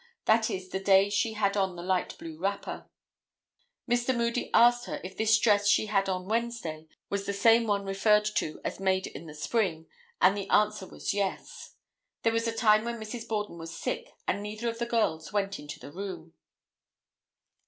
That is the day she had on the light blue wrapper. Mr. Moody asked her if this dress she had on Wednesday was the same one referred to as made in the spring, and the answer was "yes." There was a time when Mrs. Borden was sick, and neither of the girls went into the room.